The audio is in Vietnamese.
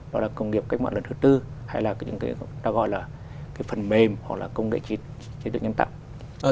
đó là công nghiệp cách mạng lần thứ tư hay là những cái ta gọi là phần mềm hoặc là công nghệ trí tự nhiên tạo